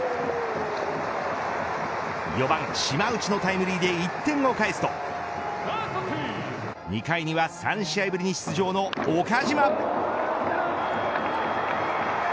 ４番、島内のタイムリーで１点を返すと２回には３試合ぶりに出場の岡島。